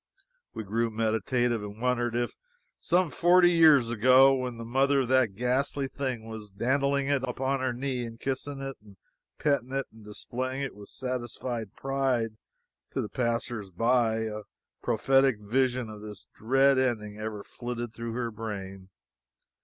We grew meditative and wondered if, some forty years ago, when the mother of that ghastly thing was dandling it upon her knee, and kissing it and petting it and displaying it with satisfied pride to the passers by, a prophetic vision of this dread ending ever flitted through her brain.